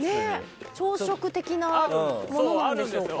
朝食的なものなんでしょうか。